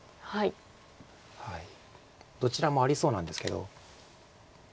どちらもありそうなんですけど。